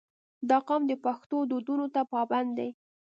• دا قوم د پښتو دودونو ته پابند دی.